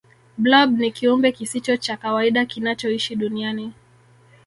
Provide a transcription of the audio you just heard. blob ni kiumbe kisicho cha kawaida kinachoishi duniani